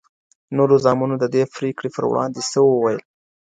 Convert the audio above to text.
نورو زامنو د دې پرېکړې پر وړاندې څه وویل؟